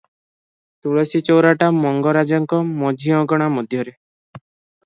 ତୁଳସୀ ଚଉରାଟା ମଙ୍ଗରାଜଙ୍କ ମଝିଅଗଣା ମଧ୍ୟରେ ।